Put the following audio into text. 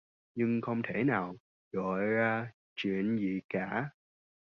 Nhưng không thể nào gọi ra chuyện gì cả